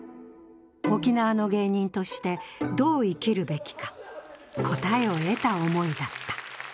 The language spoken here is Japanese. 沖縄の芸人として、どう生きるべきか、答えを得た思いだった。